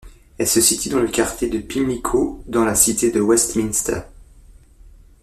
Elle se situe dans le quartier de Pimlico, dans la Cité de Westminster.